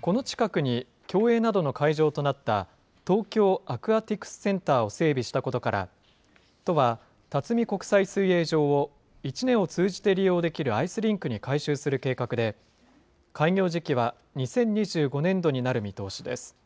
この近くに競泳などの会場となった、東京アクアティクスセンターを整備したことから、都は辰巳国際水泳場を、１年を通じて利用できるアイスリンクに改修する計画で、開業時期は２０２５年度になる見通しです。